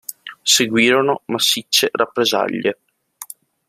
Seguirono massicce rappresaglie.